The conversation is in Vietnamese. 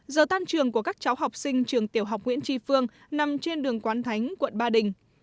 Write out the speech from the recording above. giờ tan trường của các cháu học sinh trường tiểu học nguyễn tri phương nằm trên đường quán thánh quận ba đình